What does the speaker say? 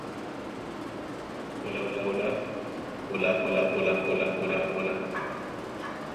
Visto de lado, el margen superior de la mandíbula parece de forma cóncava.